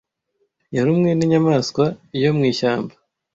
Yarumwe ninyamaswa yo mwishyamba.